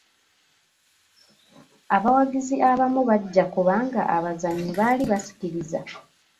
Abawagizi abamu bajja kubanga abazanyi baali basikiriza.